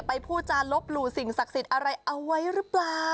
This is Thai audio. พูดจานลบหลู่สิ่งศักดิ์สิทธิ์อะไรเอาไว้หรือเปล่า